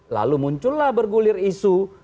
lalu muncullah bergulir isu